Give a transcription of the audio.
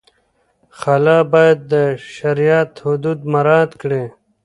خلع باید د شریعت حدود مراعت کړي.